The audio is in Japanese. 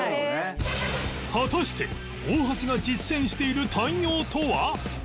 果たして大橋が実践している対応とは？